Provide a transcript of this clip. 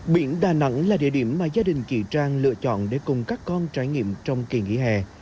biển đà nẵng là địa điểm mà gia đình chị trang lựa chọn để cùng các con trải nghiệm trong kỳ nghỉ hè